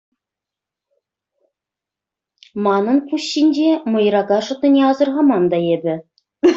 Манӑн пуҫ ҫинче «мӑйрака» шӑтнине асӑрхаман та эпӗ.